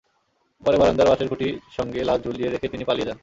পরে বারান্দার বাঁশের খুঁটির সঙ্গে লাশ ঝুলিয়ে রেখে তিনি পালিয়ে যান।